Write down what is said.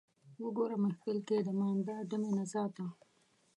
وګوره محفل کې د مانده ډمې نڅا ته